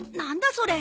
それ。